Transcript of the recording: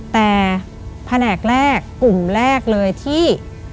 แต่แผนกแรกกลุ่มแรกเลยที่